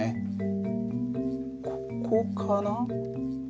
ここかな。